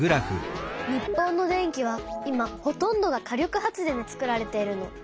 日本の電気は今ほとんどが火力発電でつくられているの。